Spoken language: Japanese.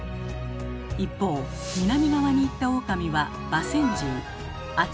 一方南側に行ったオオカミはバセンジー。